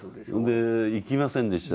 で行きませんでした。